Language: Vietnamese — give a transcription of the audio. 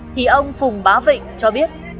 thì ông phùng bá vịnh cho biết